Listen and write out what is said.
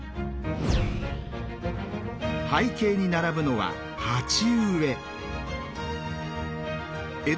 背景に並ぶのは鉢植え。